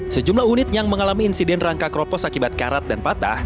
sejumlah unit yang mengalami insiden rangka keropos akibat karat dan patah